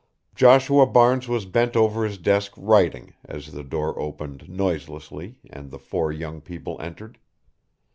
Joshua Barnes was bent over his desk writing, as the door opened noiselessly and the four young people entered.